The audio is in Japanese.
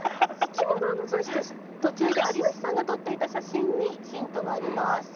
途中で有吉さんが撮っていた写真にヒントがあります。